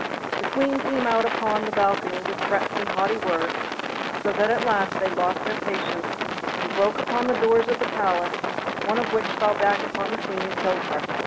The Queen came out upon the balcony with threats and haughty words, so that at last they lost their patience, and broke open the doors of the palace, one of which fell back upon the Queen and killed her.